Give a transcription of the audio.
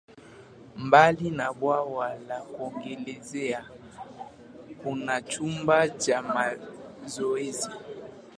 Mbali na bwawa la kuogelea, kuna chumba cha mazoezi.